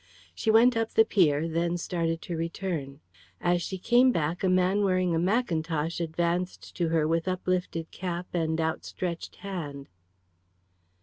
She went up the pier; then started to return. As she came back a man wearing a mackintosh advanced to her with uplifted cap and outstretched hand.